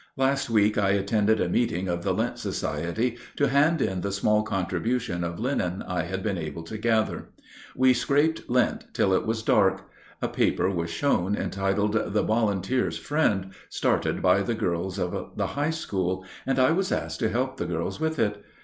Last week I attended a meeting of the lint society to hand in the small contribution of linen I had been able to gather. We scraped lint till it was dark. A paper was shown, entitled the "Volunteer's Friend," started by the girls of the high school, and I was asked to help the girls with it.